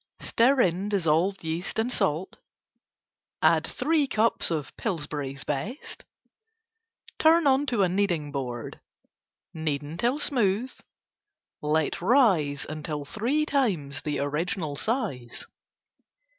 _ Stir in dissolved yeast and salt. Add 3 cups Pillsbury's Best. Turn onto a kneading board. Knead until smooth. Let rise until three times the original size.